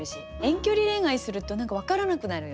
遠距離恋愛すると何か分からなくなるよね。